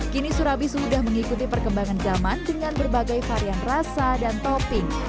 kini surabi sudah mengikuti perkembangan zaman dengan berbagai varian rasa dan topping